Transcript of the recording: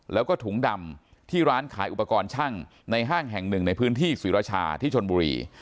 แล้วก็ถุงดำที่ร้านขายอุปกรณ์ช่างในห้างแห่งหนึ่งในพื้นที่ศรีราชาที่ชนบุรี